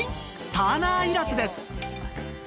ターナーいらずです